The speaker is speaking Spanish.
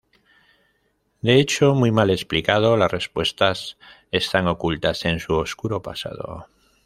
De hecho muy mal explicado, las respuestas están ocultas en su oscuro pasado.